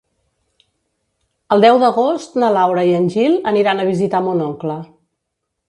El deu d'agost na Laura i en Gil aniran a visitar mon oncle.